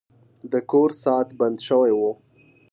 د کور ساعت بند شوی و.